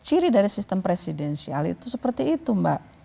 ciri dari sistem presidensial itu seperti itu mbak